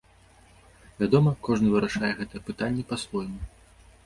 Вядома, кожны вырашае гэтае пытанне па-свойму.